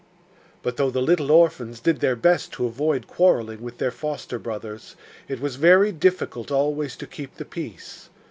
But though the little orphans did their best to avoid quarrelling with their foster brothers, it was very difficult always to keep the peace.